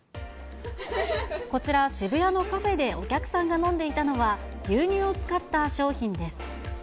こちら、渋谷のカフェでお客さんが飲んでいたのは、牛乳を使った商品です。